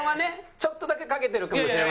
ちょっとだけかけてるかもしれませんが。